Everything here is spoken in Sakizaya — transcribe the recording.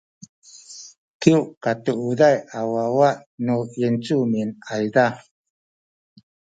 kyu katuuday a wawa nu yincumin ayza